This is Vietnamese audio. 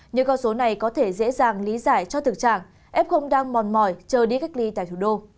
những con số này có thể dễ dàng lý giải cho thực trạng f đang mòn mỏi chờ đi cách ly tại thủ đô